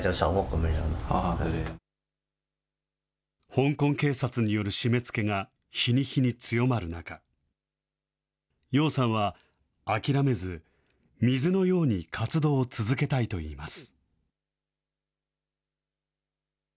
香港警察による締めつけが日に日に強まる中、葉さんは諦めず、水のように活動を続けたいといいます。